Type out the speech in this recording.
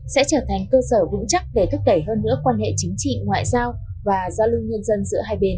sẽ trở thành cơ sở vững chắc để thúc đẩy hơn nữa quan hệ chính trị ngoại giao và giao lưu nhân dân giữa hai bên